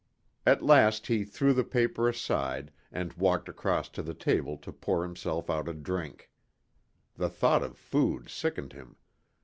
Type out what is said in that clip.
At last he threw the paper aside and walked across to the table to pour himself out a drink. The thought of food sickened him.